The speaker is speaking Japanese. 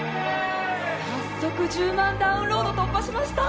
早速１０万ダウンロード突破しました